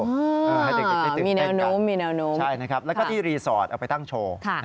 ให้เด็กนักเรียนตื่นเต้นกันใช่นะครับแล้วก็ที่รีสอร์ตเอาไปตั้งโชว์